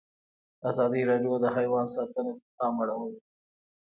ازادي راډیو د حیوان ساتنه ته پام اړولی.